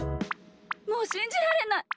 もうしんじられない！